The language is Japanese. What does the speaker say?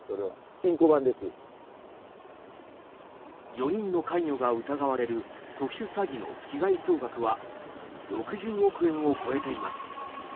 ４人の関与が疑われる特殊詐欺の被害総額は６０億円を超えています。